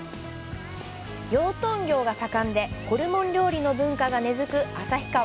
養豚業が盛んでホルモン料理の文化が根づく旭川。